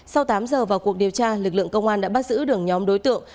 sau tám giờ vào cuộc điều tra lực lượng công an đã bắt giữ đường nhóm đối tượng